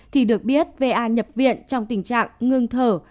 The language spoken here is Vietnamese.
thì được biết va nhập viện trong tình trạng ngưng thở